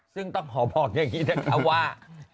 ซึ่งต้องขอบอกอย่างนี้นะคะว่า